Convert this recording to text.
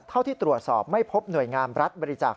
เท่าที่ตรวจสอบไม่พบหน่วยงามรัฐบริจาค